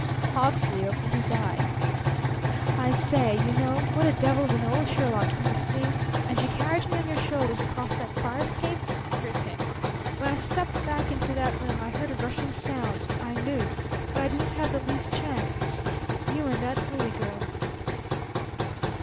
Hawksley opened his eyes. "I say, you know, what a devil of an old Sherlock you must be! And you carried me on your shoulders across that fire escape? Ripping! When I stepped back into that room I heard a rushing sound. I knew! But I didn't have the least chance.... You and that bully girl!"